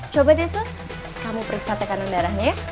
coba deh sus kamu periksa tekanan darahnya ya